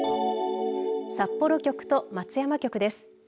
札幌局と松山局です。